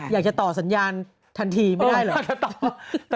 อยากจะต่อสัญญาณทันที่ไม่ได้หรอ